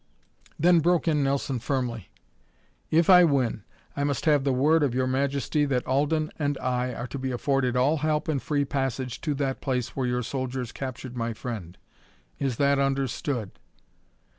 Then broke in Nelson firmly. "If I win I must have the word of Your Majesty that Alden and I are to be afforded all help and free passage to that place where your soldiers captured my friend. It that understood?"